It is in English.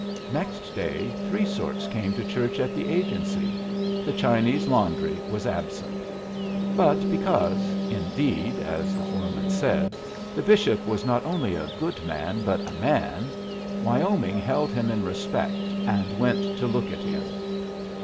Next day, three sorts came to church at the agency. The Chinese laundry was absent. But because, indeed (as the foreman said), the bishop was not only a good man but a man, Wyoming held him in respect and went to look at him.